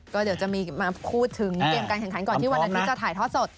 ก็เดี๋ยวจะมีมาพูดถึงเกมการขันก่อนที่จะถ่ายทอดสด